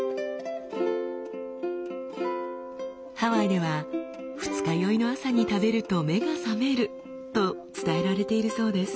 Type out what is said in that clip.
ハワイでは二日酔いの朝に食べると目が覚めると伝えられているそうです。